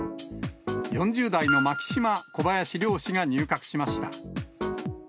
４０代の牧島、小林両氏が入閣しました。